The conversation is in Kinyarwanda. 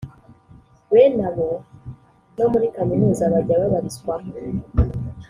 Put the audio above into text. Bene abo no muri kaminuza bajya babarizwamo